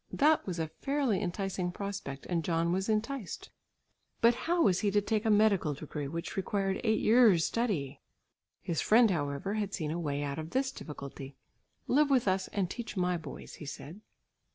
That was a fairly enticing prospect, and John was enticed. But how was he to take a medical degree, which required eight years' study? His friend, however, had seen a way out of this difficulty. "Live with us and teach my boys," he said.